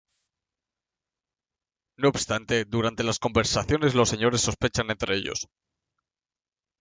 No obstante, durante las conversaciones los Señores sospechan entre ellos.